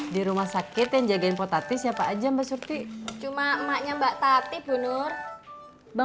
di rumah sakit yang jagain potati siapa aja mbak surti cuma emaknya mbak tati bunur bang